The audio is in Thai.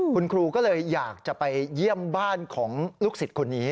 คุณครูก็เลยอยากจะไปเยี่ยมบ้านของลูกศิษย์คนนี้